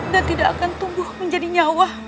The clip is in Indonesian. dan tidak akan tumbuh menjadi nyawa